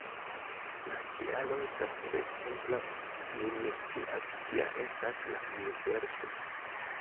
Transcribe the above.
La kialo estas tre simpla: ni ne scias kia estas la universo".